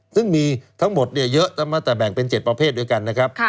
ซึ่งมีทั้งหมดเยอะแต่แบ่งเป็น๗ประเภทด้วยกันนะครับ